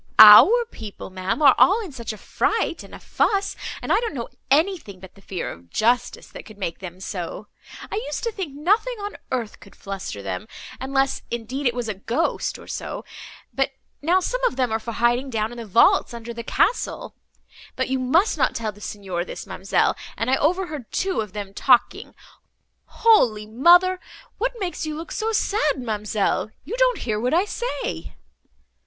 "Why our people, ma'am, are all in such a fright, and a fuss; and I don't know anything but the fear of justice, that could make them so. I used to think nothing on earth could fluster them, unless, indeed, it was a ghost, or so; but now, some of them are for hiding down in the vaults under the castle; but you must not tell the Signor this, ma'amselle, and I overheard two of them talking—Holy Mother! what makes you look so sad, ma'amselle? You don't hear what I say!"